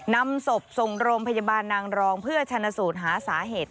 นำศพส่งโรงพยาบาลนางรองเพื่อชนะสูตรหาสาเหตุ